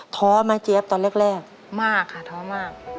ท้อมาเจฟตอนแรกมากค่ะท้อมาก